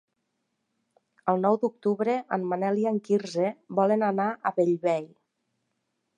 El nou d'octubre en Manel i en Quirze volen anar a Bellvei.